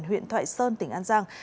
huyện thoại sơn tỉnh an giang